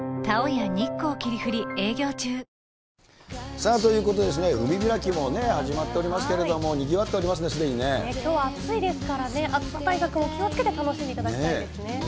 さあ、ということでですね、海開きも始まっておりますけれども、にぎわっておりますね、きょうは暑いですからね、暑さ対策、お気をつけて楽しんでいただきたいですね。